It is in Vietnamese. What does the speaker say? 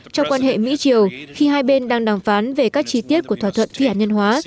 trong quan hệ mỹ triều khi hai bên đang đàm phán về các chi tiết của thỏa thuận phi hạt nhân hóa